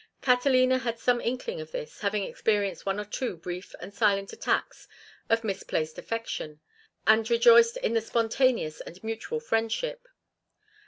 Catalina had some inkling of this, having experienced one or two brief and silent attacks of misplaced affection, and rejoiced in the spontaneous and mutual friendship.